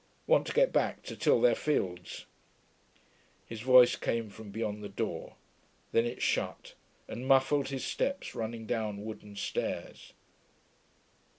Want to get back to till their fields....' His voice came from beyond the door. Then it shut, and muffled his steps running down wooden stairs.